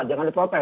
jangan diprotes ya